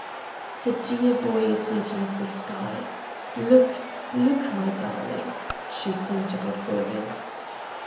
"The dear boy is looking at the sky. Look, look, my darling!" she thought about Golovin.